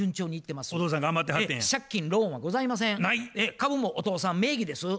株もお父さん名義です。